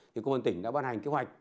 công an tỉnh đã ban hành kế hoạch